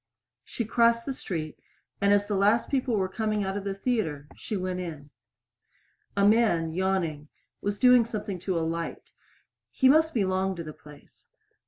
She crossed the street, and as the last people were coming out of the theater she went in. A man, yawning, was doing something to a light. He must belong to the place.